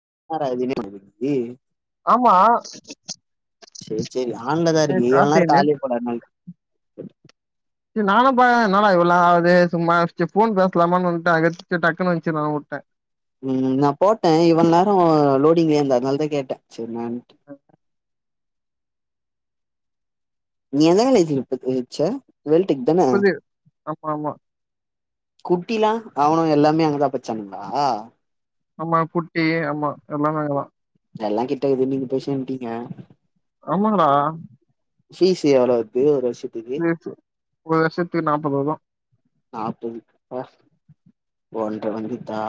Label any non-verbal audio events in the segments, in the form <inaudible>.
<unintelligible> ஆமா சேரி சேரி ஆன்லதா டேய் இருக்கு இவ்ள நேர கார்த்திக் நெட் காலே போல அத்னால தா நானு பாக்ற என்னாடா இவ்லா நேர ஆவுது சும்மாச்சு போன் பேசலாமான்னு வன்ட்ட அதுக் டக்குன்னு வச்சு அதா உட்டே ம் நான் போட்டே இவ்ள நேர லோடிங்லே ந்த அதனாலதா கேட்டே சரி ன்னாட்டு நீ எந்த காலேஜ் த இச்ச புது ஆமா ஆமா குட்டிலா அவனுங் எல்லாமே அங்கதா பச்சானுங்களா ஆமா குட்டி ஆமா எல்லாமே அங்க தா எல்லா கிட்டக்குது நீங்க பேய் சேனட்டீங்க ஆமாங்கடா ஃபீஸ்ஸு எவ்ளோ வர்து ஒரு வர்சத்தக்கு இது சு- ஒரு வருசத்து நாப்பது வது நாப்பது ப்ப ஒன்ற வந்திதா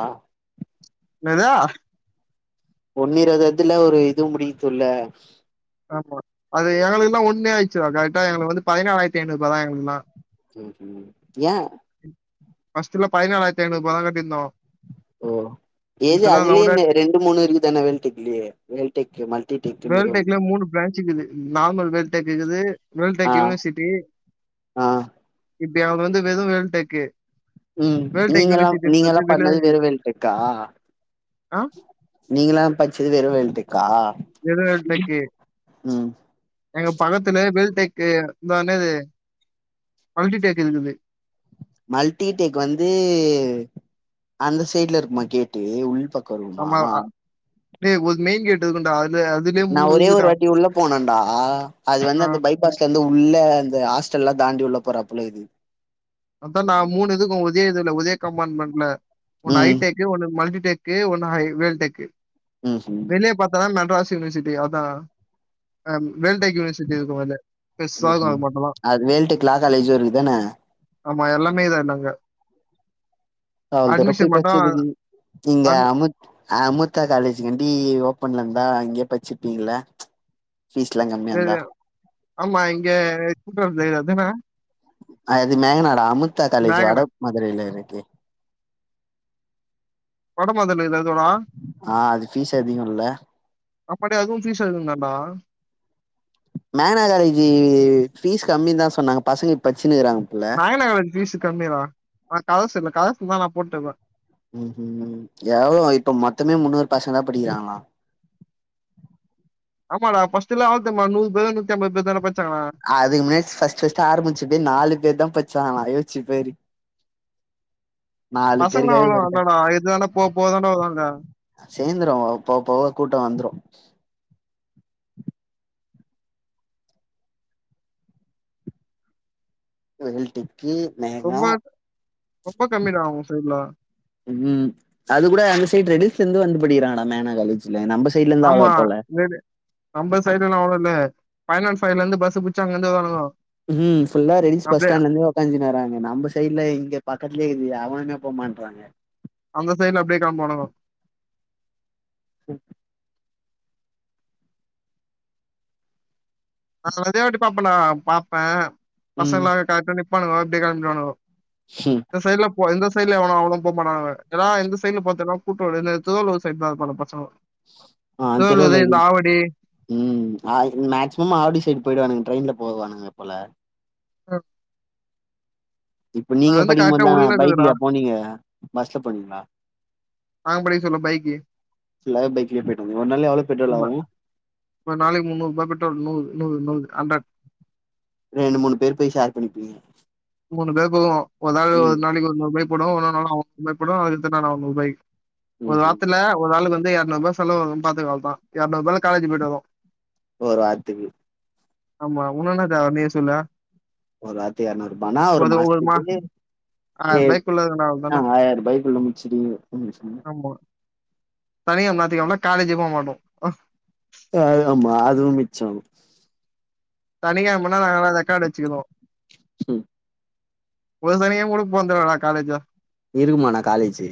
என்னது ஒண்ணு இருவது வர்த்ல ஒரு இதுவு முடிக்கித்துல்ல மா அது எங்கள்ளுக்குல்லா ஒண்ணே ஆயிச்சுதா கரெக்டா எங்களுக்குந்து பதினாலத்தி நூறு தா எங்களுக்குல்லா சேரி ஏ ஃபஸ்ட்லா பதினாலாயிரத்தி ஐநூறு பதான் கட்டியிருந்தோ ஓ ஏது அதுலயே ரவுண்டா ரெண்டு மூணு இருக்கு தானே வேல்டெக்குலையே வேல்டெக் மல் வேல்டெக்ல மூணு பிரான்ச் இக்குது நார்மல் வேல்டெக் இக்குது வேல்டெக் ஆ யூனிவர்சிட்டி ஆ இப்டி அவங்க வந்து வெது வேல் டெக்கு ம் நீங்க எல்லா நீங்க எல்லா பண்ணது வெளியே வெரு வேல்டெக்கா ஆ நீங்களல்லா பச்சது வெறு வேல்டெக்கா வேல் டெக்கு ம் எங்க பக்கத்துல வெல்டெக் இந்தானது மல்டி டெக் இக்குது மல்டிடெக் வந்து அந்த சைட்ல இருக்குமா கேட்டு உள்பக்க கருமா ஆமா அ, டேய் ஒரு மெயின் கேட் இருக்கு டா நான் ஒரே ஒரு வாட்டி உள்ள போனேன்டா அது ஆ, வந்து அந்த பைபாஸ் உள்ள அந்த ஹாஸ்டல்லா தாண்டி உள்ள போறப்பல இக்து அதான் டா மூணு இதுக்கு ஒதே இதுல உதே கம்ப்பாமெண்ட்ல ஒன் ஹை ம் டெக்கு ஒன்னு மல்டிடெக் கு ஒன்ன வேல்டெக்கு ம்ஹும் வெளியே பாத்தனா மெட்ராஸ் ஸ் யூனிவர்சிட்டி அதான் வேல்டெக் யூனிவர்சிட்டி இருக்கும் அத்ல அது வேல்டெக்கு லா காலேஜ்க்குதானே ஆமா எல்லாமே இக்து அட்ன்னாங்க அவ்ள்தூரருப்பாய் பச்சதுங்க இங்க அமுத் அமுத்தா காலேஜ் ப்யி ஓப்பன்ல இருந்தா அங்கயே பச்சிருப்பீங்கள ஃபீஸ்லா கம்மியா இருந்தா சரி ஆமா இங்க <unintelligible> அதான அது மேகநாடா அமுத்தா கலேஜ் வட மேகன மதுரையில இருக்கு வட மதல்ல அது துவாடா ஆ அது ஃபீஸ் அதிகம் இல்ல அப்பாடி அதுவு ஃபீஸ்ஸு அதிக தான்டா மேகனா காலேஜி பீஸ் கம்மி தான் சொன்னாங்க பசங்க பச்சு நாயனா காலேஜ் பீசு கம்மி தா ஆனா காலர்சு இல்ல காலர் சும்மா நா போட்ருப்பே ம் ம் ம் எவ்ளோவா இப்ப மொத்தமே முன்னூரு பசங்க தா படிக்கிறாங்ளா <inaudible> ஆமாடா ஃபஸ்டெல்லா எவ்ளோ தெர்யுமா நூறு பேரோ நுத்தி ஐம்பது பேர் தான படி அதுக்கு முன்ன ஃபஸ்ட் ஃபஸ்ட் ஆரமுச்சதே நாலு பேரு தா பட்ச்சாங்ளா யோ ச்சிப்பாரு பசங்ளா அவ்ளோ இல்லனா எதேனா போவ் போவ் தான்டா வருவானுங்க சேந்துரு போவ போவ கூட்டோ வந்துரு வெல்டிக்கி மேங்கா ரொம்ப ரொம்ப கம்மிடா உங்க சைட்ல ம் அது கூட அந்த சைடு ரெட்டிஷ்லந்து வந்து படிக்கிறாங்கடா மேனா காலேஜு ஆமா மேபி நம்ப சைடெல்லா அவ்ளோ இல்ல பைனான்ஸ் ஃபைவ்லந்து பஸ்ஸு புச்சு அங்கந்து வருவானுங்கோ ம் ஃபுல்லா ரெடிஸ் பஸ் அப்டியே ஸ்டாண்ட்ல இந்தே உக்காந்தின் வருவாங்க நம்ப சைட்ல இங்க பா பக்கத்லியே இக்கிது எவனுமே போமாட்றாங்க அந்த சைட்ல அப்டியே கெளம்புவானுங்கோ ம் நா வந்தே ட்ரிப்பா பண்ணுவே பாப்பே ம் ம் பசங்களாக காட்டுனு இப்பானுங்கோ இப்டியே கெளம்பிர்வானுங்கோ ஹும். இந்த சைட்ல ஒ இந்த சைட்ல எவனோ அவ்ளோம் போமாட்டானுங்க ஏனா எந்த சைட்ல பாத்தாலு கூட்ரோடு இந்த திருவள்ளுவ சைட் தா இர்ப்பானுங்கோ பசங்கோ ஆ திருவள்ளுவ இது ம் மே மேக்சிமம் ஆவடி சைடு போயிடுவானுங் ட்ரெயின்ல போவானுங்க போல ஆ இப்ப அது நீங்க வந்து படிக்கு கரெக்டா போதா உள்ள இருக்குதுடா பைக்லியா போனீங்க பஸ்ல போனீங்ளா நாங்க படிக்க சொல்ல பைக்கி ஃபுல்லாவே பைக்லயே போயிட்டு வந்தீங்க ஒரு நாள் எவ்ளோ பெட்ரோல் ம் அ ஆவு இப்ப நாளைக்கு முன்னூறு ரூபா பெட்ரோல் நூறு நூறு நூறு அந்த ரெண்டு மூணு பேர் போய் ஷேர் பண்ணிப்பீங்க மூணு பேருக்கு ஒரு நாள் ஒரு ம் நாளைக்கு ஒரு நூறு பேர் போடுவோ ஒன்னொரு நாள் அவ போடுவா அதுக்கு தன்யா நானூறுவாய்க் ஒரு ம்ஹும் வாரத்ல ஒரு ஆளுக்கு வந்து எரநூற்பா செலவு வரு பாத்துக்க அவ்ள்தா எரநூற்பாய்ல காலேஜ் போயிட் வருவோ ஒரு வாரத்துக்கு ஆமா உனுக் இன்னா தேவ நீயே சொல்லு ஒரு வாரத்துக்கு எர நூற்பானா ஓரு ஒரு ஒரு மா மாஸ்த்துக்கு ஏ ஆயிரம் பைக் உள்ள அ தானே ஆயிர ரூபாய்குள்ள முட்ச்சிடுவீங்க ம் சனிக்கெழம நாத்திகெழமனா காலேஜே போவ மாட்டோ அ அதுதாமா அதுவு மிச்சாகு சனிக்கெழமனா நாங்கெல்லா ரெக்காடு வச்சிக்குவோ ம் ஒரு சனிகெழம கூட போன்தில்லனா காலேஜா இருக்குமாணா காலேஜு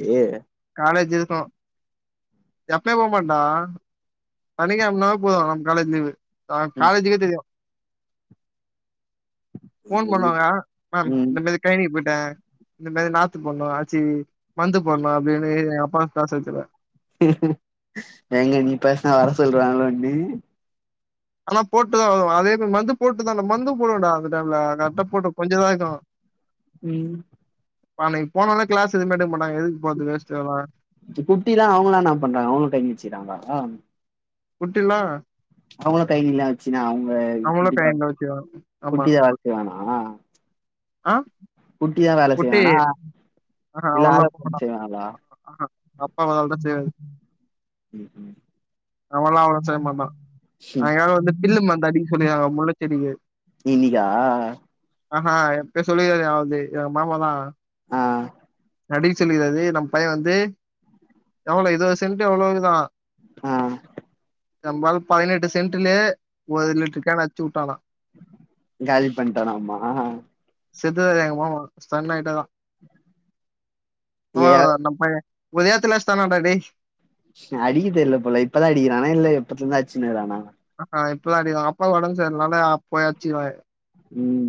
எப்பியு போமாட் டா சனிகெழம்னா போது நம் காலேஜ் லீவு ஆ ம் காலேஜிகே தெரியு ஃபோன் ம் பண்ணுவாங்க மேம் இந்த மேரி ட்ரெயினிங் போய்ட்டே இந்த மாரி நாத்து போட்னு ஆச்சி மர்ந்து போட்னு அப்டினு எங்க அப்பா பேச வச்சிருவே எங்க நீ பேஸ்னா வர சொல்ருவாங்களோனு ஆனா போட்டுதா வருவே அதே மேரி மர்ந்து போட்டு தா அந்த மர்ந்து போடுவே டா அந்த டைம்ல கர்டா போட்ட கொஞ்சோ தா இர்க்கு ம் அன்னைக் போனாலு கிளாஸ் எதுமே எடுக்க மாட் குட்டிலா அவுங்ளா என்னா பண்றாங்க அவுங்கோ டைம் வச்சிறாங்ளா குட்டிலா அவுங்களு கைகில்லா வச்சுனா அவுங்க அவங்களு இப்டி தா கயனில வச்சுருவாங்க ஆமா குட்டி தா வேல செய்வானா ஆ குட்டி தா வேல குட்டி செய்வானா ஆஹா இல்ல ஆள அவள்லா போ <unintelligible> மாட்டாங்க செய்வாங்கலா ஆஹா அப்பா அதெல்லா செய்வாரு ம் ம் அவல்லா அவளோ செய்ய மாட்டோ ம். அவங்காள வந்து பில்லு மருந்தடிக்க சொல்லி முள்ளச்செடிக்கி இன்னைக்கா ஆஹ ஹா எப்பே சொல்லிகாரு வந்து எங்க மாமா தா ஹ மறுபடியு சொல்லிக்கிறது நம்ம பைய வந்து எவ்ளோ இதுவ சென்டு எவ்ளவுதா ஆஹ நம்பளு பதினெட்டு சென்ட்லே ஒரு லிட்டர் கேன் அட்சுவுட்டானா காலி பண்ணிட்டானாமா செத்டாரு எங்க மாமா ஸ்டன் ஆயிட்டாராம் ஆ ஏ நம்ம பைய உதயத்துல சன்டா டேய் அடிக்க தெரியல போல இப்பதா அடிக்கிறானா இல்ல எப்பத்துல இருந்து அடிச்ருக்கான அ இப்பதா அடிகாங்க அப்பா உடம்பு செர்னால அப்ப அச்சுறாங்க ம்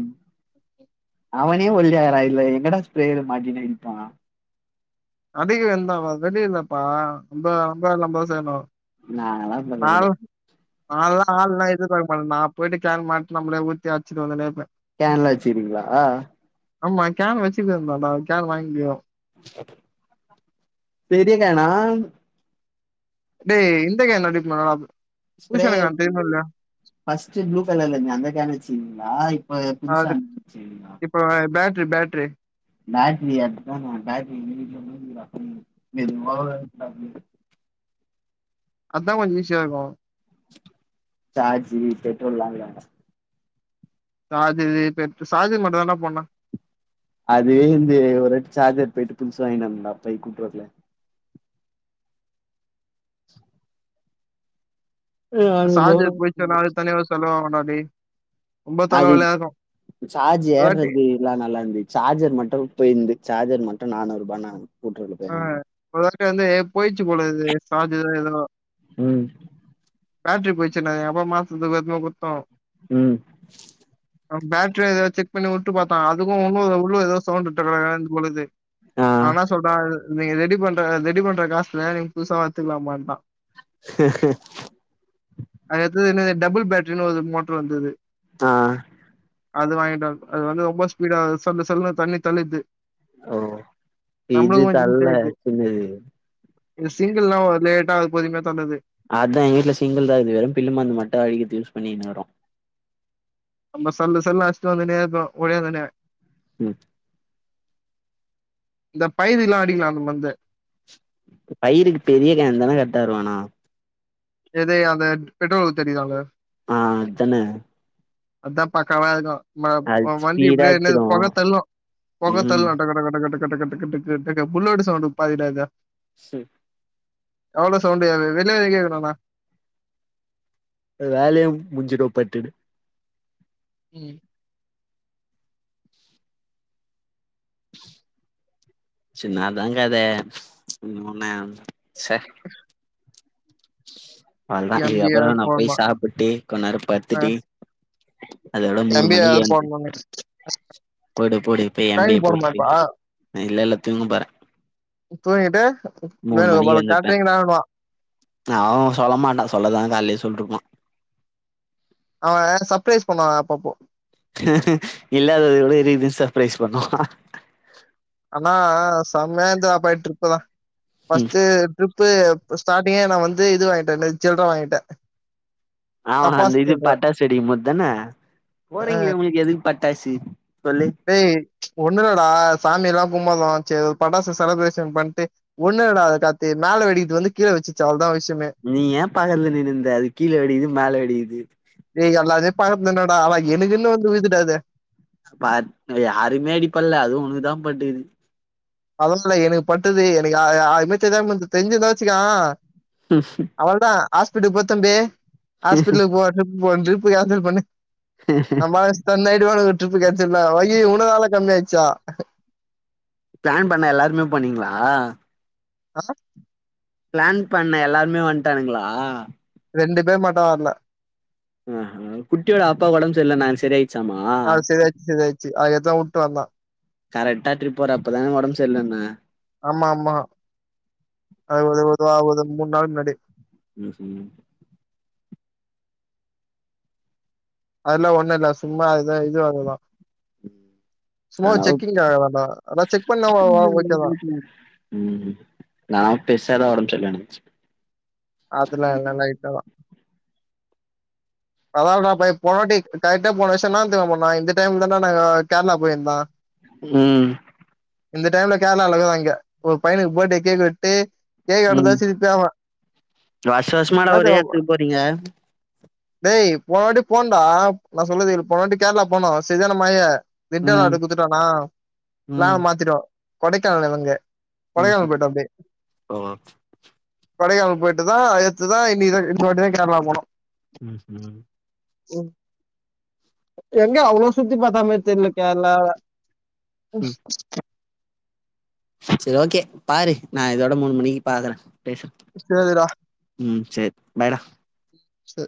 அவனே ஒல்லியாரக்ற இதுல எங்கடா ஸ்ப்ரேய மாட்டுனு நிப்பா அபி <unintelligible> வரவே இல்லப்பா ரொம்ப ரொம்பா நம்ப தா செய்னு நா எல்லா <unintelligible> குடு நால்லா ஆள்லா இருந்தா இருப்பாங்க நா போய்ட்டு கேன் மாட் நம்ளே ஊதி ஆச்ட்டு வந்தூனே இருப்பே கேன்லா வச்சுறீங்களா ஆமா கேன் வச்சுக்றோந்தாண்டா கேன் வாங்கிகோ பெரியக்கேனா டேய் இந்தகேனு அடிக்குமாராப் ஸ்ப்ரே பஃஸ்டு ப்ளூ கலர்ல இருந்மே அந்த கேன் வச்சிந்தீங்களா இப்ப புதுசா அன்வச்சிங்களா இது பேட்ரி பேட்ரியா <inaudible> அத கொஞ்சோ ஈஸியா இருக்கு சார்ஜூ பெட்ரோல இல்லாம சார்ஜரு பெட் சார்ஜர் மட்டுதான்டா போட்னு அதுவே வந்து ரெட் சார்ஜர் போயிட்டு புதுசு வாங்கிடு வந்தாப் போய் கூப்ற குள்ள நானூறுபா சாஜர் போயிச்சுன்னாவே தனியாவே செலவாகுண்டா டேய் ரொம்ப அது தலவலியா இருக்கு சார்ஜ் ஒருவாட்டி ஏர்றது எல்லா நல்லா இருந்து சார்ஜர் மட்டு போயிருந் சார்ஜர் மட்டு நானூறுபான்னாங்க ஆஹ் ஒரு வாட்ட வந்து போயிச்சு போல இது சார்ஜரோ எதோ ம் பேட்ரி போயிச்சுன்னாக அப்ப மாத்துறதுக்கு எடுத்துனு போய் குத்தோ ம் பேட்ரியோ எதோ செக் பண்ணி வுட்டு பாத்தாக அதுக்கு ஒ உள்ள எதோ சவுண்டு டக டகனு பண்ணுது ஆ நா என்ன சொல்றே நீங்க ரெடி பண்ற ரெடி பண்ற காசுல நீங்க புதுசா எடுத்துக்கலா உங்வேண்டா அதுக்கடுத்தது என்னது டபுள் பேட்ரின்னு ஒரு மோட்ரு வந்தது ஆஹ அது வாங்கிட்டாங்க அது வந்து ரொம்ப ஸ்பீடா சல்லு சல்லுனு தண்ணி தள்ளிது அஹ இது கொஞ்சோ தல்ல ஈஸியாயிடுது இது இது சிங்கிள்லா ஒரு லேட்டா அது பொதுமயா தள்ளுது சிங்கள்தா இது வெறு பில்லு மருந்து மட்டு அடிக்துகு யூஸ் பண்ணினுருக்கோ நம்ம சல்லு சல்லுனு அடிச்சுட்டு வந்துனே இருக்கு ஒடியாதுனே உம் இந்தப் பயிதிலா அடிகலா இந்த மந்து பயிருக்கு பெரிய கேன் தான கரெட்டாருக்கு ஆனா எது அந்த பெட்ரோல் ஊதி அடிகதால ஆ அத்தன அத்தாப்பா <unintelligible> ம வண்டி ஸ்பீடா இப்டியே என்னது அடிச்சிடு பொக தள்ளு பொக ம் தள்ளு கட கட கட கட கட்டு கட்டு கட்டு கடக புல்லட்டு சவுண்ட்டு பாதிடாக சேஃப் எவ்ளோ சவுண்ட்டு <unintelligible> வெளிய வரையு கேக்னுனா வேலையு முஞ்சிடு பட்டுனு உம் சின்னதாங்க அது இன்னோனே ச்ச அவள்தா எம் பி இதுக்கப்புற ஆர் நா போய் போடணு சாப்பிட்டு கொன்னேரோ ஆ பட்த்துட்டு அதோட மூனு எம் பி மணிகு ஆர் ஏந்து போடணுனு போடு போடு இப்ப எம் பி கழனி ஏ போணுமா போட்டு இப்ப இல்ல இல்ல தூங்கப்போறே தூங்கிட்டு வேணுங்கப்போல எழுந்துப்பே கேட்ரிங்தானுவா அவ சொல்ல மாட்டா சொல்லதா கால்லியே சொல்ட்ருப்பா அவ சப்ரைஸ் பண்ணுவா அப்பப்போ இல்லாதத விட இதுகெதுக்கு சப்ரைஸ் பண்ணு ஆனா செம்மையா என்ஜாய் அப்பாய ட்ரிப்புதா ஃபர்ஸ்ட்டு ட்ரிப் ப்பு ஸ்டார்டிங்கே நா வந்து இது வாய்ன்டே நேத் சில்ர வாங்கிட்டே ஆமா அந்த தப்பாஸ் இது சொல்ற பட்டாசு வெடிக்கும்போத்தான போறீங்ளே உங்ளுக்கு எதுக்கு பட்டாசு சொல்லு ஏய் ஒன்னுலடா சாமிலா கும்மதோ சே ஒரு பட்டாசு செலப்ரேஷன் பண்ட்டு ஒன்னுலடா கார்த்தி மேல வெடிக்கிறது வந்து கீழ வெச்சிச்சி அவள்தா விஷ் நீ ஏ பகல நின்னுனிந்த அது கீழ வெடிகுது மேல வெடிகுது ஏய் எல்லதுமே பகத் நின்னடா ஆனா எனக்குனு வந்து விதுடா அது பாத் யாருமே அடிப்பல்ல அதுவு உனகுதா பட்டுகுது அதனால எனகு பட்டுது எனகு அ அ அமைச்சதா <unintelligible> தெஞ்சிந்தா வச்சுகோ அவள்தா ஹாஸ்பிட்டக் போத் தம்பி ஹாஸ்பிட்ல்கு போ ட்ரிப் போன் ட்ரிப் போ கேன்சல் பண்ணு நம் ஆளுங்க ஸ்டன் ஆயிடுவானுங்க ட்ரிப்பு கேன்சல்னா அய்யய்யோ இவனனால கம்மி ஆயிட்ச்சா பிளான் பண்ண எல்லாருமே போனீங்ளா ஆ பிளான் பண்ண எல்லாருமே வன்ட்டானுங்களா ரெண்டு பேர் மட்டு வர்ல ஆ அ குட்டியோட அப்பாக்கு ஒடம் செர்ல்லனாங்க செரியாய் ஆ செரி ஆய்ச்சி செரி ஆய்ச்சி ஆயத்தா வுட்டு வந்தோ கரெட்டா ட்ரிப் போறப்பதான ஒடம் செர்லன்னா ஆமா ஆமா அது ஒது ஒது ஆ ஒது மூன் நாள் மின்னாடி உம் உம் அதெலா ஒன்னுல்ல சும்மா அத இதுவாலதா உம் சும்மா ஒரு செக்கிங்காக தான்டா அதா செக் பண்ணா ஓ ஓ ஓகேதா உம் நா பெருசாதா ஒடம் செர்லன் நென்ச்ச அதுலா இல்ல லைட்டாதா அத நா பைய போனாட்டி கரெக்டா போன வருஷ என்னாத் தெரிமா பண்ணா இந்த டைம்ல தான்டா நாங்க கேரளா போயிந்தோ உம் இந்த டைம்ல கேர்ளால இகத இங்க ஒரு பையனுக்கு பர்டே கேக் வெட்டு கேக் எடுத்தா சிச்சாவா வர்ஷவர்ஷமாட ஒரே எத்துக்கு போறீங்க டேய் போனவாட்டி போண்டா நா சொல்றது போனாட்டி கேரளா போனோ சரியான மழையே ம் திட்டலாடு குடுத்துட்டோமா ப்ளான மாத்திட்டோ கொடைக்கானல் இவங்க கொடைக்கானல் உஹும் போயிட்டோ <unintelligible> கொடைக்கானால் போயிட்டு தா எத்துதா இனிதா இந்த வாட்டி தா கேரளா போனோ எஸ் மேம் உம் எங்க அவ்ளோ சுத்தி பாத்தா மேரி தெர்ல கேரளா <inaudible> ம் சரி ஓகே பாரு நா இதோட மூணு மணிக்கு பாக்கற பேசுற உம் சேரி பாய்டா ச